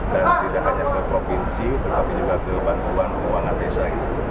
dan tidak hanya ke provinsi tetapi juga ke bantuan keuangan desa